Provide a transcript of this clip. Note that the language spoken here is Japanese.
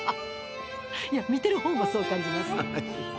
いや見てる方もそう感じます。